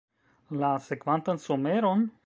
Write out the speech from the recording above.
La sekvantan someron?